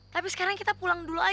tapi sekarang kita pulang dulu aja